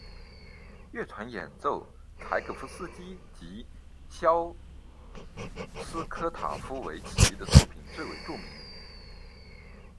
乐团演奏柴可夫斯基及肖斯塔科维奇的作品最为著名。